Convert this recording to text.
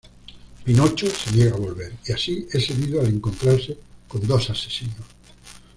Pinocho se niega a volver, y así es herido al encontrarse con dos asesinos.